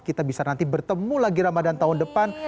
kita bisa nanti bertemu lagi ramadan tahun depan